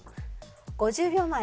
５０秒前。